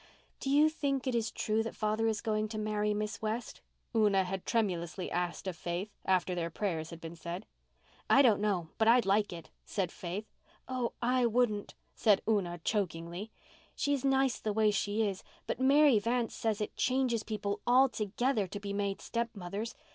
"Do you think it is true that father is going to marry Miss West?" Una had tremulously asked of Faith, after their prayers had been said. "I don't know, but I'd like it," said Faith. "Oh, I wouldn't," said Una, chokingly. "She is nice the way she is. But Mary Vance says it changes people altogether to be made stepmothers.